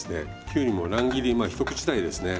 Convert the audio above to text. きゅうりの乱切りまあ一口大ですね。